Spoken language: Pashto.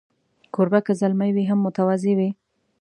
کوربه که زلمی وي، هم متواضع وي.